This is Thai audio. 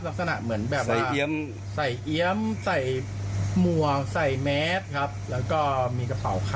ลักษณะเหมือนแบบว่าใส่เอียมใส่หมวงใส่แม็กซ์ครับแล้วก็มีกระเป๋าครับ